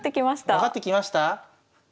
分かってきました？